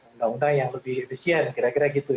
undang undang yang lebih efisien kira kira gitu